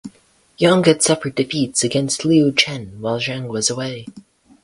Yong had suffered defeats against Liu Chen while Zhang was away.